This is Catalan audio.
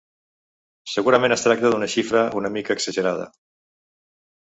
Segurament es tracta d'una xifra una mica exagerada.